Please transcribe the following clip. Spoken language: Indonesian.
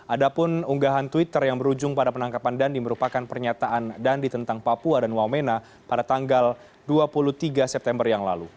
ada pun unggahan twitter yang berujung pada penangkapan dandi merupakan pernyataan dandi tentang papua dan wamena pada tanggal dua puluh tiga september yang lalu